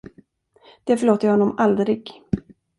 Det förlåter jag honom aldrig.